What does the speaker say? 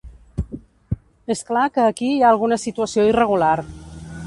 És clar que aquí hi ha alguna situació irregular.